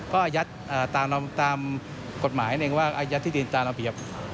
ก็อายัดตามกฎหมายหนึ่งว่าอายัดที่ดินตามระเบียบ